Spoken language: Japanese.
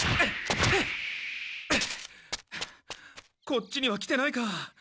こっちには来てないか。